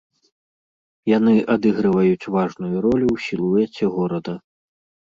Яны адыгрываюць важную ролю ў сілуэце горада.